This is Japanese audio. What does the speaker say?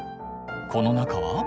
この中は？